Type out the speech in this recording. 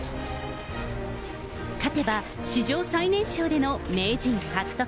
勝てば史上最年少での名人獲得。